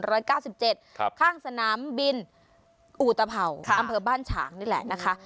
ครับข้างสนามบินอูตเผาอำเเบอร์บ้านฉางนี่แหละนะคะ